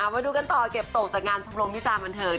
มาดูกันต่อเก็บโต๊ะจากงานชังโรงพิจารณ์บันเทิง